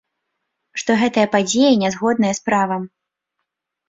Што гэтая падзея не згодная з правам.